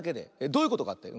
どういうことかって？